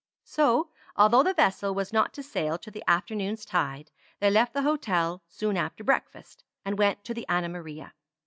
So, although the vessel was not to sail till the afternoon's tide, they left the hotel soon after breakfast, and went to the "Anna Maria."